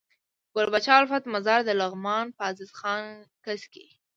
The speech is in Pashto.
ګل پاچا الفت مزار دلغمان په عزيز خان کځ کي